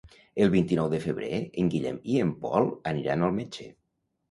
El vint-i-nou de febrer en Guillem i en Pol aniran al metge.